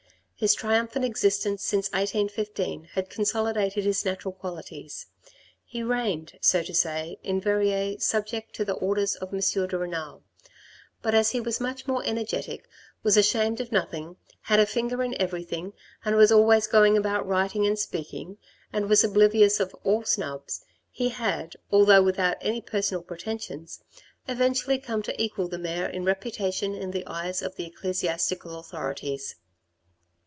His triumpha nt existence since 1815 had consolidated his natural qualities. He reigned, so to say, in Verrieres subject to the orders of M. de Renal; but as he was much more energetic, was ashamed of nothing, had a finger in everything, and was always going about writing and speaking, and was oblivious of all snubs, he had, although without any personal pretensions, eventually come to equal the mayor in reputation in the eyes of the ecclesiastical authorities.